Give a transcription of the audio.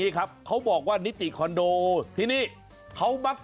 มีอะไรบ้างล่ะ